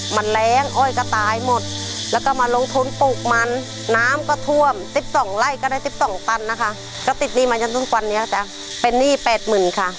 มันแร้งอ้อยก็ตายหมดแล้วก็มาลงทุนปลูกมันน้ำก็ท่วม